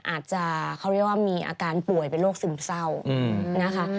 อาจจะเขาเรียกว่ามีอาการป่วยเป็นโรคซึมเศร้านะคะ